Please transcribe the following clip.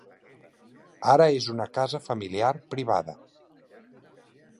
Ara és una casa familiar privada.